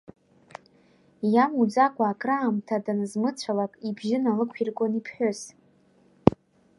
Иамуӡакәа акраамҭа данызмыцәалак, ибжьы налықәиргон иԥҳәыс…